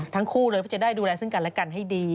ทั้งคู่เลยเพื่อจะได้ดูแลซึ่งกันและกันให้ดี